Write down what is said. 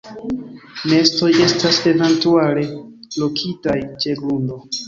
Nestoj estas eventuale lokitaj ĉe grundo.